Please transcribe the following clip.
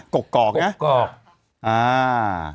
กรอกเนี่ย